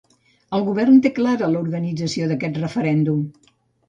El govern té clara l’organització d’aquest referèndum.